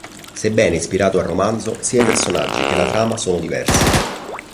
Sebbene ispirato al romanzo, sia i personaggi che la trama sono diversi.